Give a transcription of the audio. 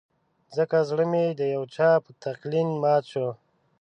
ځکه زړه مې د يو چا په تلقين مات شو